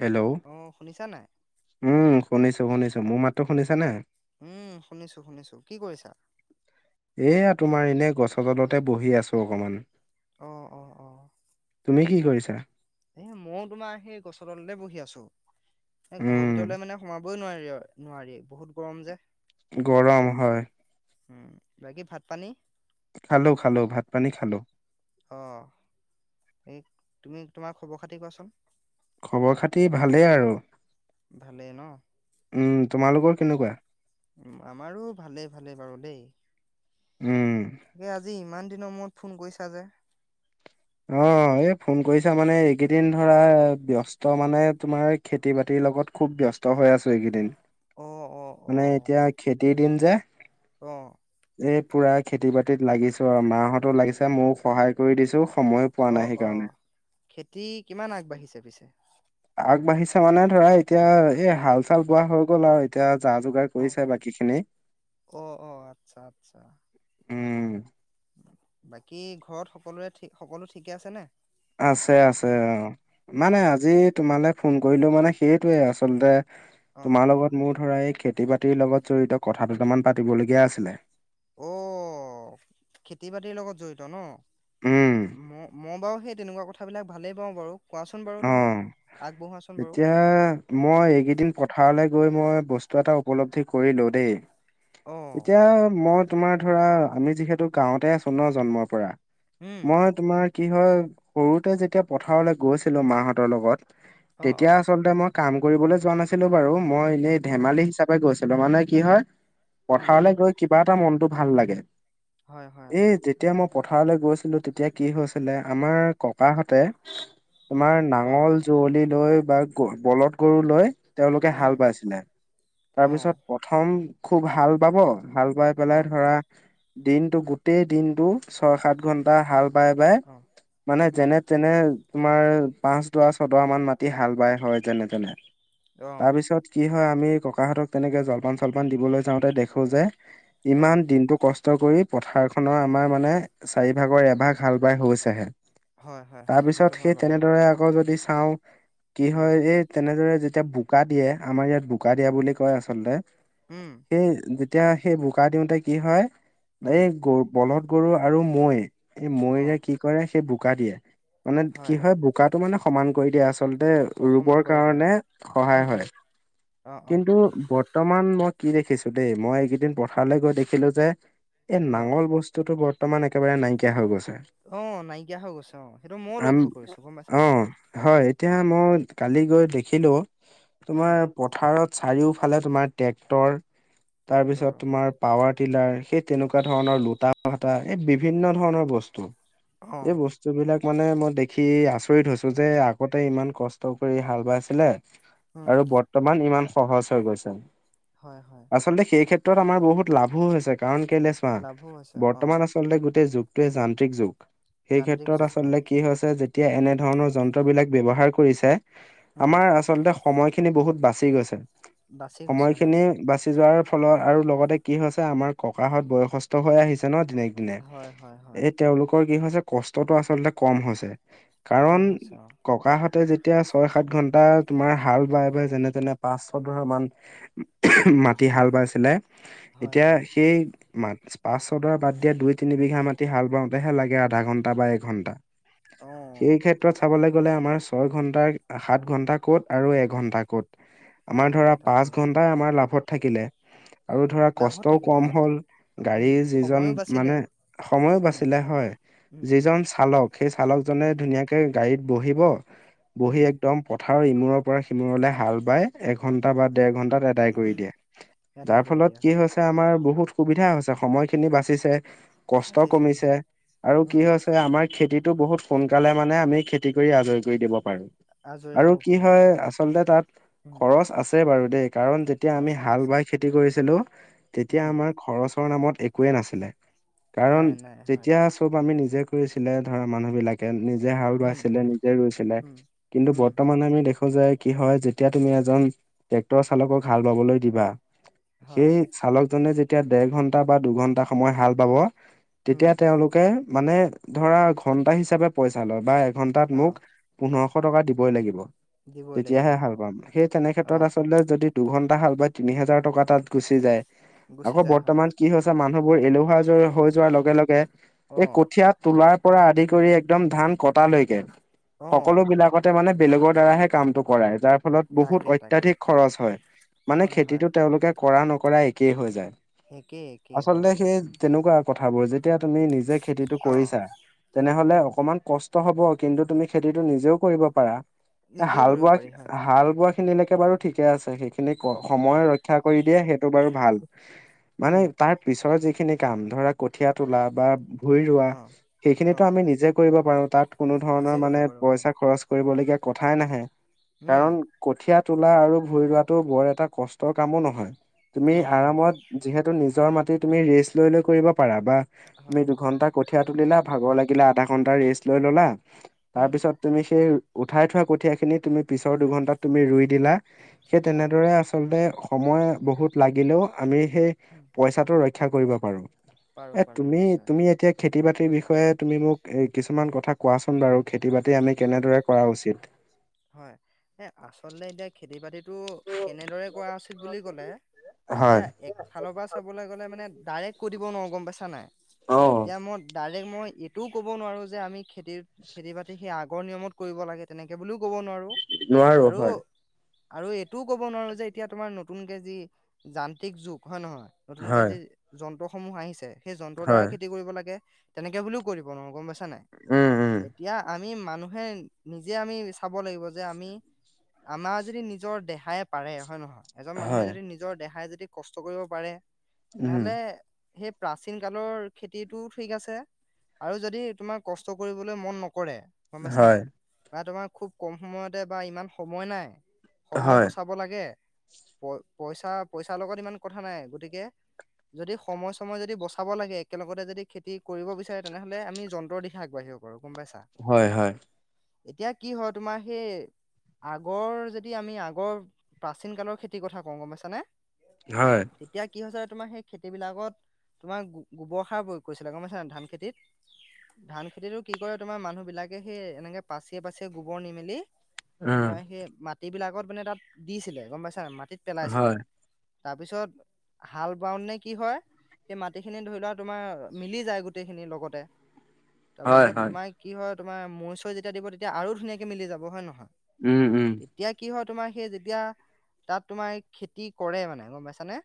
Hello অ শুনিছা নাই উম শুনিছো শুনিছো। মোৰ মাতো শুনিছানে? উম শুনিছো শুনিছো। কি কৰিছা? এয়া তোমাৰ এনে গছৰ তলতে বহি আছো অকমান। অঁ-অঁ-অঁ। তুমি কি কৰিছা? এ মইও তোমাৰ সেই গছৰ তলতে বহি আছো, এ ঘৰৰ উম ভিতৰলে মানে সোমাব কই নোৱাৰি-নোৱাৰি বহুত গৰম যে। গৰম হয়। উম বাকী ভাত পানী? খালো-খালো ভাত পানী খালো। অ এই তুমি তোমাৰ খবৰ খাতি কোৱাচোন? খবৰ খাতি ভালেই আৰু। ভালে ন। উম তোমালোকৰ কেনেকুৱা? আমাৰো ভালেই ভালেই বাৰু দেই। উম তাকে আজি ইমান দিনৰ মূৰত ফোন কৰিছা যে। অ এই ফোন কৰিছা মানে এইকেইদিন ধৰা ব্যস্ত মানে তোমাৰ খেতি বাতিৰ লগত খুব ব্যস্ত হৈ আছো এইকেইদিন, অ অ অ মানে এতিয়া খেতিৰ দিন যে। অ। এই পূৰা খেতি বাতিত লাগিছোঁ আৰু মাহঁতো লাগিছে ময়ো সহায় কৰি দিছোঁ। অ অ খেতি কিমান আগবাঢ়িছে পিছে? আগবাঢ়িছে মানে ধৰা এতিয়া এ হাল-চাল বোৱা হৈ গ'ল আৰু এতিয়া যা-যোগাৰ অ কৰিছে বাকী খিনি। অ অ আচ্ছা আচ্ছা উম বাকী ঘৰত সকলোৰে সকলো ঠিকে আছে ন? আছে আছে অ অ মানে আজি তোমালৈ ফোন কৰিলো মানে সেইটয়ে আচলতে তোমাৰ লগত মোৰ ধৰা এই খেতি-বাতিৰ লগত জড়িত কথা দুটামান পাতিবলগীয়া আছিলে। অ খেতি বাতিৰ লগত জড়িত ন? উম ম মই বাৰু সেই তেনেকুৱা কথাবিলাক ভালেই পাওঁ বাৰু। কোৱাচোন বাৰু অ তুমি আগবঢ়োৱাচোন বাৰু এতিয়া মই উম, এইকেইদিন পথাৰলৈ বস্তু এ উপ কৰিলো দেই, অ এতিয়া মই তোমাৰ ধৰা আমি যিহেতু গাঁওতে আছো ন জন্মৰ পৰা। উম মই তোমাৰ কি হয় সৰুতে যেতিয়া পথাৰলৈ গৈছিলো মাহঁতৰ লগত অ অ তেতিয়া আচলতে মই কাম কৰিবলৈ যোৱা নাছিলো বাৰু, মই এনেই অ ধেমালি হিচাপে গৈছিলো। মানে কি হয় উম পথাৰলৈ গৈ কিবা এটা মনতটো ভাল লাগে। হয় হয় এ হয় যেতিয়া মই পথাৰলৈ গৈছিলো তেতিয়া কি হৈছিলে আমাৰ ককাহঁতে তোমাৰ অ নাঙল যৱলি লৈ বা বলধ গৰু লৈ তেওঁলোকে হাল উম বাইছিলে, অ তাৰপিছত প্ৰথম খুব হাল বাব ভাল পাই অ পেলাই ধৰা দিনতটো গোটেই দিন ছয় সাত ঘন্টা হাল বাই বাই অ মানে উম যেনে তেনে তোমাৰ পাঁচ দহ ছ দহ মান মাটি হাল বাই হয় যেনে তেনে। অ তাৰপিছত কি হয়। আমি ককাহঁতক তেনেকে জলপান-চলপান দিবলৈ যাওঁতে দেখো যে, অ ইমান দিনটো কষ্ট কষ্ট কৰি পথাৰখনৰ আমাৰ মানে চাৰিভাগৰ এভাগ হাল বাই হৈছেহে। হয় হয় তাৰ হয় পিছত সেইটো হয় সেই বাৰু। তেনেদৰে আকৌ যদি চাও কি উম হয় এই তেনেদৰে যেতিয়া বোকা দিয়ে। আমাৰ ইয়াত বোকা দিয়া বুলি কয় আচলতে, উম সেই যেতিয়া সেই বোকা দিওঁতে কি হয় উম এই গৰু বলধ গৰু আৰু মৈ এই অ মৈৰে কি কৰে সেই বোকা দিয়ে। মানে কি হয় বোকাটো মানে সমান কৰি দিয়া আছ আচলতে সমান ৰুবৰ কৰি দিয়া কাৰণে উম সহায় উম হয় অ অ কিন্তু বৰ্তমান মই কি দেখিছো দেই মই এইকেইদিন পথাৰলৈ গৈ দেখিলো যে এই অ নাঙল বস্তুতটো বৰ [unintelligible] একেবাৰে নাইকিয়া হৈ গৈছে। অ, নাইকিয়া হৈ গৈছে অ, সেইটো মইও আম লক্ষ্য কৰিছোঁ। অ, হয়, এতিয়া মই কালি গৈ দেখিলো উম তোমাৰ পথাৰত চাৰিওফালে তোমাৰ ট্ৰেক্টৰ, ট্ৰেক্টৰ তাৰপিছত তোমাৰ পাৱাৰটিলাৰ সেই তেনেকুৱা উম, ধৰণৰ লোটা ভটা এই বিভিন্ন ধৰণৰ বস্তু, এই অ', বস্তু বিলাক মানে মই দেখি আচৰিত হৈছো যে আগতে ইমান কষ্ট কৰি হাল বাইছিলে উম, আৰু বৰ্তমান ইমান সহজ হৈ গৈছে হয়, হয়, আচলতে সেই ক্ষেত্ৰ ত আমাৰ বহুত লাভো হৈছে, কাৰণ কেলৈ চোৱা লাভো হৈছে অ', বৰ্তমান আচলতে গোটেই যুগটোৱে যান্ত্ৰিক যুগ সেই যান্ত্ৰিক ক্ষেত্ৰত যুগ হয়, আচল্ততে কি হৈছে যেতিয়া এনে ধৰণৰ যন্ত্ৰবলাক ব্যৱহাৰ কৰিছে উম, আমাৰ আচলতে সময়খিনি বহুত বাচি গৈছে। বাচি গৈছে সময়খিনি হয়, বাচি যোৱাৰ ফলত, আৰু লগতে কি হৈছে আমাৰ ককাহঁত বয়সস্থ হৈ আহিছে ন' দিনক দিনে, হয়, হয়, হয়, এই তেওঁলোকৰ কি হৈছে কষ্টতটো আচলতে কম হৈছে। কম কাৰণ হৈছে অ', ককাহঁত ততে যেতিয়া ছয় সাত ঘন্টা তোমাৰ হাল বাই বাই যেনে তেনে পাঁচ ছ ধৰা মান মাটি উম, হাল বাইছিলে, হয়, এতিয়া হয়, সেই পাছ চদৰা বাদ দিয়া দুই তিন বিঘা মাটি হাল বাওঁতেহে লাগে আধা ঘন্টা বা একঘণ্টা। অ', [unintelligible] আমাৰ ধৰা তাকে, পাঁচ তাকে, ঘন্টাই আমাৰ লাভত থাকিলে। আৰু ধৰা লাভত কষ্টও থাকিলে কম হয়, হ'ল, গাড়ী উম, যিজন সময়ো বাচিলে, মানে, সময়ো উম, বাচিলে হয়। উম, উম, যিজন চালক সেই চালকজনে উম, ধুনীয়াকে গাড়ীত বহিব বহি উম, একদম প পথাৰ ইমূৰ পৰা সিমূৰলৈ হাল বায় এঘণ্টা বা ডেৰ ঘণ্টা তাত আদায় কৰি দিয়ে। আদায় যাৰ কৰি ফলত দিয়া কি হয়, হৈছে আমাৰ বহুত সুবিধা হৈছে সময়খিনি বাচিছে, কষ্ট বাচিছে কমিছে, হয়, আৰু কি উম, হৈছে আমাৰ খেতিতটো বহুত সোনকালে মানে আমি খেতি কৰি আজৰি কৰি দিব পাৰো। আজৰি আৰু হ'ব কি পাৰো হয় অ', আচলতে তাত উম, খৰচ আছে বাৰু দেই কাৰণ যেতিয়া আমি আছে, হাল আছে, বাই খেতি কৰিছিলো তেতিয়া উম, আমাৰ খৰচ ৰ নামত একোৱেই নাছিলে, কাৰণ নাই, নাই, হয়, তেতিয়া চব আমি নিজে নিজে কৰিছিলে ধৰা মানুহ বিলাকে নিজ নিজে হাল উম, বাইছিলে উম, নিজে ৰুইছিলে, উম, কিন্তু উম, বৰ্তমানে আমি দেখো [unintelligible] কি হয় যেতিয়া তুমি এজন ট্ৰেক্টৰ চালকক হাল বাবলৈ দিবা হয়, সেই চালকজনে যেতিয়া দেৰ ঘন্টা বা দুঘন্টা সময় হাল বাব উম, তেতিয়া তেওঁলোকে মানে ধৰা ঘন্টা হিচাপে পইচা লয় বা ঘন্টাত মোক অ', পোন্ধৰশ টকা দিবই লাগিব। দিবই লাগিব তেতিয়াহে অ'। ভাল বাম, সেই তেনে ক্ষেত্ৰত অঁ আচলতে যদি দুঘন্টা হাল বাই তিনি হাজাৰ টকা তাত গুচি যায় গুচি আকৌ যায় হয় বৰ্তমান কি হৈছে মান [unintelligible] এলেহুৱা হৈ যোৱাৰ লগে লগে এই অঁ কঠিয় তলাৰ পৰা আদি কৰি একদম ধান কটালৈকে অঁ সকলোঁ বিলাকতে মানে বেলেগৰ দ্বাৰাহে কামটো কৰাই যাৰ ফলত বহুত তাকে তাকে অত্যাধিক খৰচ হয় মানে, হয় হয় খেতিটো তেওঁলোকে কৰা নকৰা একেই হৈ যায় একেই একে আচলতে হয়। সেই তেনেকুৱা কথাবোৰ যেতিয়া তুমি নিজে খেতিতটো অঁ কৰিছা, তেনেহলে অকমান কষ্ট হ'ব কিন্তু তুমি খেতিটো নিজেও কৰিব পাৰা। নিজেও হাল কৰিব বোৱা, পাৰি হয় হাল বোৱা খিনিলৈকে বাৰু ঠিকে আছে, সেইখিনি [unintelligible] সময় হয় ৰক্ষা কৰি দিয়ে, সেইটো বাৰু ভাল, মানে উম তাৰ পিছৰ যিখিন খিনি কাম ধৰা কঠিয় তোলা বা ভুই ৰোৱা, অঁ সেইখিনিতো অঁ আমি নিজে কৰিব পাৰো তাত কোনো ধৰণৰ নিজে মানে কৰিব পাৰো হয় পইচা খৰচ কৰিবলগীয়া কথাই নাহে, উম কাৰণ কঠিয়াত আৰুটো বৰ এ ক কামো নহয় তুমি নহয় আৰাম নহয় যি মি তুমি ৰে লৈ লৈ কৰিব পাৰা বাা তুমি হয় দুন্টা ক তুলা ভাগৰ ল আা এ ঘন্টা ৰেষ্ট লৈ ললা তাৰ উম পিছত তুমি সেই উঠাই থোৱা কঠীয়াখিনি তুমি পিছৰ দুঘন্টাত তুমি ৰুই দিলা সেই হয় তেনেদৰে আচলতে সময় বহুত লাগিলেও আমি সেই উম, পইচাটো ৰক্ষা কৰিব পাৰো পাৰো এ পাৰো তুমি নিশ্চয় তুমি এতিয়া খেতি বাতিৰ বিষয়ে তুমি মোক এ কিছুমান কথা কোৱাচোন বাৰু খেতি বাতি আমি কেনেদৰে কৰা উচিত হয় এ আচলতে এতিয়া খেতি বাতিত টো কেনেদৰে কৰা উচিত বুলি ক'লে হয়। এতিয়া একফালৰ পৰা চাবলৈ গ'লে মানে ডাইৰেক্ট কৈ দিব নোৱাৰো গম পাইছা নাই অ', এতিয়া মই ডাইৰেক বক মই এইটোও ক'ব নোৱাৰোঁ যে আমি খেতি খেতি বাতি সেই আগৰ নিয়মত কৰিব লাগে তেনেকৈ বুলিও ক'ব নোৱাৰোঁ নোৱাৰো আৰু হয়, আৰু এইটোও ক'ব নোৱাৰো যে এতিয়া তোমাৰ নতুনকে যি যান্ত্ৰিক যুগ হয় নহয় নতুনকে হয়, যি যন্ত্ৰসমূহ আহিছে সেই যন্ত্ৰৰ দ্বাৰা হয়, খেতি কৰিব লাগে তেনেকে বুলিও কৰিব নোৱাৰো গম পাইছা নাই উম, উম। এতিয়া আমি মানুহে নিজে আমি চাব লাগিব যে আমি আমাৰ যদি নিজৰ দেহাই পাৰে হয় নহয় এজন মানুহে হয়, যদি নিজৰ দেহাই যদি কষ্ট কৰিব পাৰে উম, তেনেহলে সেই প্ৰাচীন কালৰ খেতিতটো ঠিক আছে আৰু যদি তোমাৰ কষ্ট কৰিবলৈ মন নকৰে কৰে গম পাইছানে হয়, ম তোমাৰ খুব কম সময়তে বা ইমান সময় নাই সময় হয়, বচাব লাগে প পইচা পইচাৰ লগত ইমান কথা নাই গতিকে যদি সময় সময় যদি বচাব লাগে একেলগতে যদি খেতি কৰিব বিচাৰে তেনেহলে আমি যন্ত্ৰৰ দিশে আগবাঢ়িব পাৰো গম পাইছা হয় হয় এতিয়া কি হয় তোমাৰ সেই আগৰ যদি আমি আগৰ প্ৰাচীন কালৰ খেতিৰ কথা কওঁ গম পাইছানে? হয়, তেতিয়া কি হৈছে। তোমাৰ সেই খেতিবিলাকত তোমাৰ গোবৰ সাৰ প্ৰয়োগ কৰিছিলে। গম পাইছেনে ধান খেতিত ধান খেতিতটো কি কৰে, তোমাৰ মানুহ বিলাকে সেই এনেকে পাচিয়ে পাচিয়ে গোবৰ নি মেলি উম, তাৰ সেই মাট বিলাকত মানে তাত দিছিলে গম পাইছা মাটি তিত পেলাইছিলে। হয়, তাৰপিছত হাল বউন নে কি হয়। সেই মাটিখিনি ধৰি লোৱা তোমাৰ মিলি যায়, গোটেইখিনি লগতে হয়, তাৰপিছত হয়, তোমাৰ কি হয়। তোমাৰ মৈ চৈ যেতিয়া দিব তেতিয়া আৰু ধুনীয়াকে মিলি যাব হয় নহয়। উম, উম, তেতিয়া কিহত তোমাৰ সেই যেতিয়া তাত তোমাৰ খেতি কৰে মানে গম পাইছানে।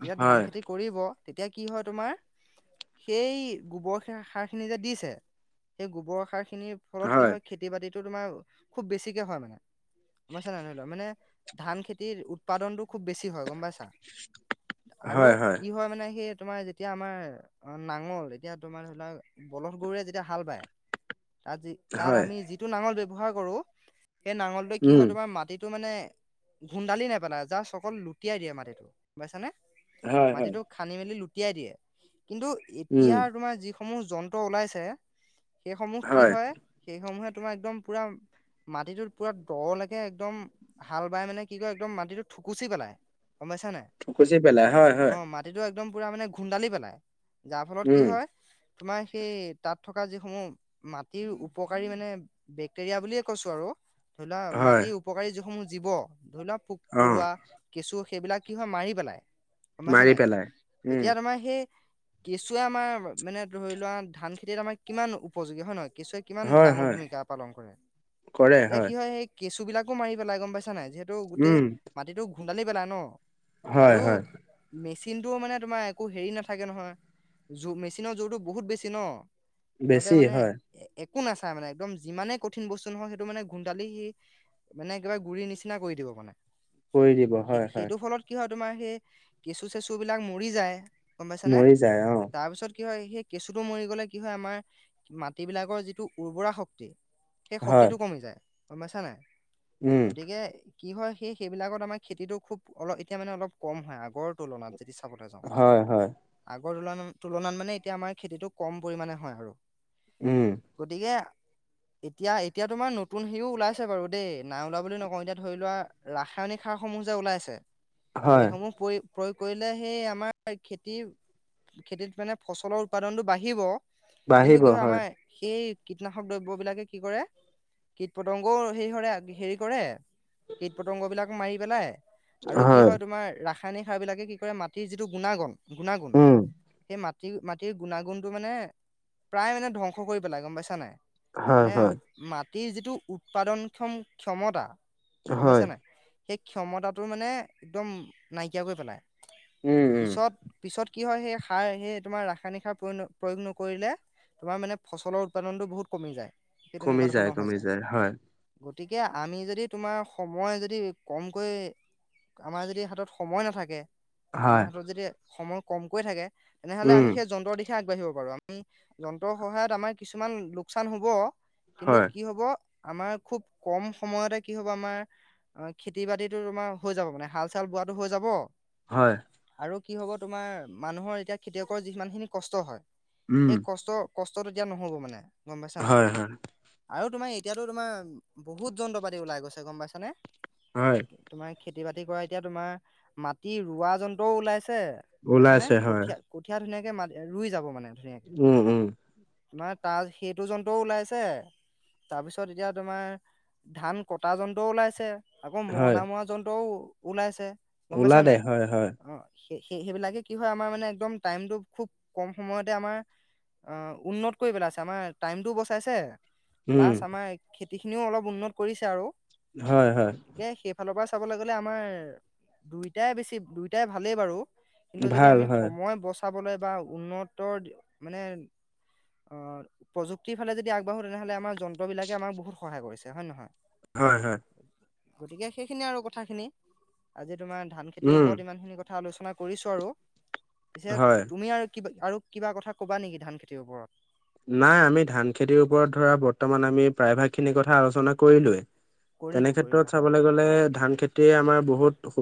যেতিয়া ধান হয়, খেতি কৰিব তেতিয়া কি হয় তোমাৰ সেই গোবৰ সাৰ খিনি যে দিছে সেই গোবৰ সাৰিনি খিনিৰ ফলত কি হয় খেতি বাতিতটো তোমাৰ খুব বেছিকে হয় মানে মছা নাই নৰি লোৱা মানে ধান খেতিৰ উৎপাদনতটো খুব বেছি হয় গম পাইছা, আৰু কি হয় মানে সেই তোমাৰ যেতিয়া আমাৰ অ নাঙল এতিয়া তোমাৰ ধৰি লৰা বলধ গৰুৰে যেতিয়া হাল বায় তাত যি তাত হয়, আমি যিটো নাঙল ব্যৱহাৰ কৰো সেই নাঙলটোে কি হয় উম, তোমাৰ মাটিত এইটো মানে ভুন্দালি নেপেলাই যাৰ চকল লুটিয়াই দিয়ে মাটিতটো বুজাইছানে। হয়, হয়, মাটিিতটো খান্দি মেলি লুটিয়াই দিয়ে। কিন্তু উম, এতিয়া তোমাৰ যি যি সমূহ যন্ত্ৰ উলাইছে সেইসমূহ কি হয় সেইসমূহে তোমাৰ একদম পুৰা মাটিটোত পুৰা দলৈকে একদম হাল বাই মানে কি কয় একদম মাটিটো খুকুচি পেলাই গমাইছানে খুচি পেলাই হয়, হয়, অ মাটিটো একদম পুৰা মানে খুন্দালি পেলাই। যাৰ ফলত কি উম, হয়। তোমাৰ সেই তাত থকা যিসমূহ মাটিৰ উপকাৰী মানে বেক্টেৰিয়া বুলিয়ে কৈছো আৰু ধৰি লোৱা হয়, মাটিৰ উপকাৰী যিসমূহ জীৱ ধৰি লোৱা পোক অ', পৰুৱা কেঁচু সেইবিলাক কি হয় মাৰি পেলাই। উমাইছো মাৰি নাই পেলাই, উম, এতিয়া তোমাৰ সেই কেঁচুৱে আমাৰ মানে ধৰি লোৱা ধান খেতিত আমাৰ কিমান উপযোগী হয় নহয়। কেঁচুৱে কিমান হয়, ডাঙৰ হয়, ভূমিকা পালন কৰে, এয়া কি হয় স কেঁচু বিলাকো মাৰি পেলাই গম পাইছা নাই। যিহেতু গোটেই উম, মাটিটো গুন্দালি পেলাই ন হয়, আৰু হয়, মেচ চিন টো মানে তোমাৰ একো হেৰি নাথাকে নহয় জু মেচিনৰ জোৰতো বহুত বেছি ন সিহঁতে বেছি মানে হয়, একো নাচায় মানে একদম যিমানে কঠিন বস্তু নহয়। সেইটো মানে গোন্দালি সি মানে কিবা গুৰি নিচিনা কৰি দিব মানে কৰি দিব সেই হয়-হয়। সেইটো ফলত কি হয় তোমাৰ সেই কেঁচু চেচু বিলাক মৰি যায়। গম পাইছানে মৰি যায় অ', তাৰপিছত কি হয়, সেই কেঁচুটো মৰি গ'লে কি হয়। আমাৰ মাটিবলাকৰ যিটো উৰ্বৰা শক্তি সেই হয়, শক্তিটো কমি যায় [unintelligible] নাই। উম, গতিকে, কি হয় সেই সেইবিলাকত আমাৰ খেতিটো খুব অলপ এতিয়া মানে অলপ কম হয়। আগৰ তুলনাত যদি চাবলৈ যাওঁ। হয়, হয়, আগৰ তুলন-তুলনাত মানে এতিয়া আমাৰ খেতিটো কম পৰিমণে হয় আৰু উম। গতিকে, এতিয়া এতিয়া তোমাৰ নতুন হেৰিও ওলাইছে বাৰু দেই নাই। ওলাব বুলি নকওঁ এতিয়া ধৰি লোৱা ৰাসায়নিক শিক্ষাস সমূহ যে ওলাইছে। হয় সেইসমূহ পৰি ক্ৰয় কৰিলে সেই আমাৰ খেতি খেতিত মানে ফচলৰ উৎপাদনতটো বাঢ়িব। কিন্তু কি হয়। আমাৰ সেই কীটনাশক দ্ৰব্যবলাকে কি কৰে কীট পতংগও হেৰি কৰে হেৰি কৰে। কীট পতংগ বিলাক মাৰি পেলাই। আৰু কি হয়। তোমাৰ ৰাসায়নিক সাৰ বিলাকে কি কৰে মাটিৰ যিটো গুণাগুণ গুণাগুণ উম সেই মাটি-মাটিৰ গুণাগুণতটো মানে প্ৰায় মানে ধ্বংস কৰি পেলাই গম পাইছা নে নাই? হয় মানে হয় মাটিৰ যিটো উৎপাদন ক্ষম-ক্ষমতা গম পাইছা হয়। নাই। সেই ক্ষমতাটো মানে একদম নাইকিয়া কৰি পেলাই। উম উম পিছত-পিছত কি হয় সেই সাৰ সেই তোমাৰ ৰাসায়নিক সাৰ প্ৰয় প্ৰয়োগ নকৰিলে তোমাৰ মানে ফচলৰ উৎপাদনতটো বহুত কমি যায়। সেই কমি তেনেকুৱা যায়, ধৰণৰ হৈ কমি যায়, হয়। গতিকে আমি যদি তোমাৰ সময় যদি কমকৈ আমাৰ যদি হাতত সময় নাথাকে আমাৰ হয় হাতত যদি সময় কমকৈ থাকে তেনেহলে উম আমি সেই যন্ত্ৰৰ দিশে আগবাঢ়িব পাৰো আমি যন্ত্ৰৰ সহায়ত আমাৰ কিছুমান লোকচান হ'ব কিন্তু হয় কি হ'ব আমাৰ খুব কম সময়তে কি হব আমাৰ অ, খেতি বাতিতো তোমাৰ হৈ যাব মানে হাল চাল বোৱাটো হৈ যাব হয়। আৰু কি হব তোমাৰ মানুহৰ এতিয়া খেতিয়কৰ যিমান খিনি কষ্ট হয়, উম এই কষ্ট কষ্টতটো এতিয়া নহ'ব মানে, গম পাইছা নাই? হয় হয় আৰু তোমাৰ এতিয়াতো তোমাৰ বহুত যন্ত্ৰ পাতি ওলাই গৈছে গম পাইছানে? হয় তোমাৰ খেতি বাতি কৰা, এতিয়া তোমাৰ মাটি ৰোৱা যন্ত্ৰও ওলাইছে পাইছানে ওলাইছে হয় কঠিয়া-কঠীয়া ধুনীয়াকে মা ৰুই যাব মানে। উম, উম। ত মানে তাৰ সেইটো জন্তুও ওলাইছে। তাৰপিছত, এতিয়া তোমাৰ ধান কটা যন্ত্ৰও ওলাইছে। আকৌ হয় মৰণা মৰা যন্ত্ৰও ওলাইছে। ওলালে হয়, হয়। সেই-সেইবিলাকে কি হয় আমাৰ মানে একদম টাইমটো খুব কম সময়তে আমাৰ অ, উন্নত কৰিবেলাই আছে আমাৰ টাইমটোও বচাইছে, উম প্লাছ আমাৰ খেতিখিনিও অলপ উন্নত কৰিছে আৰু। হয় হয় গতিকে সেইফালৰ পৰা চাবলৈ গলে আমাৰ দুইটাই বেছি দুইটাই ভালেই বাৰু। কিন্তু যদি ভাল আমি হয় সময় বচ চাবলৈ বা উন্নতৰ মানে, অ, প্ৰুক্তিৰ ফালে যদি আগবাঢ়ো, তেনেহলে আমাৰ যন্ত্ৰবিলাকে আমাক বহুতহায় কৰিছে হয় নহয়? হয় হয়। গতিকে সেইখিনি আৰু কথা খিনি আজি তোমাৰ ধান খেতিৰ উম ওপৰত ইমান খিনি কথা কথা আলোচনা কৰিছো আৰু পিছে হয় তুমি আৰু কিবা আৰু কিবা কথা ক'বা নেকি ধান খেতিৰ ওপৰত নাই আমি ধান খেতিৰ ওপৰত ধৰা বৰ্তমান আমি প্ৰায়ভাগ খিনি কথা আলোচনা কৰিলোৱেই। কৰিলো কৰিলো তেনেক্ষেত্ৰত হয় চাবলৈ গলে ধান খেতিয়ে আমাৰ বহুত সুবিধ